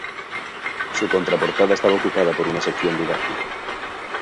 Su contraportada estaba ocupada por una sección didáctica.